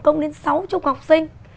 công đến sáu chục học sinh